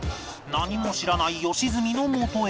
何も知らない良純のもとへ